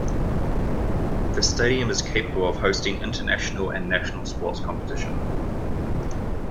The stadium is capable of hosting international and national sports competition.